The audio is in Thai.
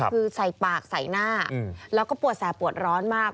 คือใส่ปากใส่หน้าแล้วก็ปวดแสบปวดร้อนมาก